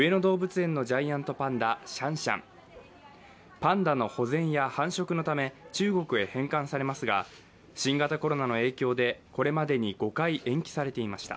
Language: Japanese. パンダの保全や繁殖のため中国へ返還されますが新型コロナの影響でこれまでに５回延期されていました。